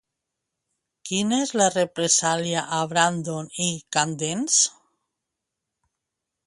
Quina és la represàlia a Brandon i Candance?